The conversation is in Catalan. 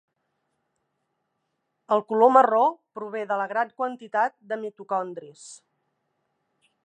El color marró prové de la gran quantitat de mitocondris.